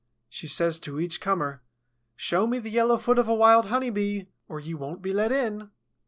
She says to each comer: "Show me the yellow foot of a Wild Honey bee, or you won't be let in."